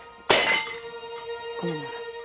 ごめんなさい。